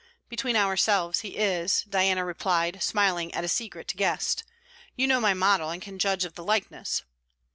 'Between ourselves he is,' Diana replied, smiling at a secret guessed. 'You know my model and can judge of the likeness.'